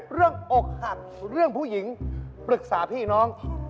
อกหักเรื่องผู้หญิงปรึกษาพี่น้อง